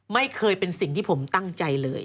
ไม่เคยเป็นสิ่งที่ผมตั้งใจเลย